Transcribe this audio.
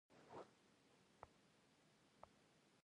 آزاد تجارت مهم دی ځکه چې جنګ کموي.